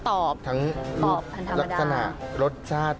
ตอบทางธรรมดาทั้งลักษณะรสชาติ